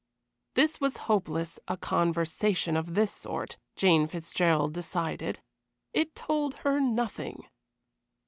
This was hopeless a conversation of this sort Jane Fitzgerald decided. It told her nothing.